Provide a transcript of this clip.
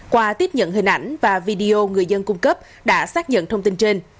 qua tiếp nhận hình ảnh và video người dân cung cấp đã xác nhận thông tin trên